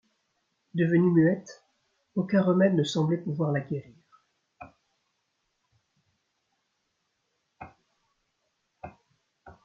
Devenue muette aucun remède ne semblait pouvoir la guérir.